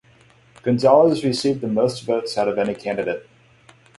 Gonzalez received the most votes out of any candidate.